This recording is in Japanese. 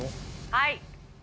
はい。